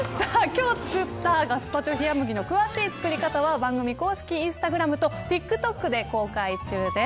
今日作ったガスパチョ冷麦の詳しい作り方は番組公式インスタグラムとＴｉｋＴｏｋで公開中です。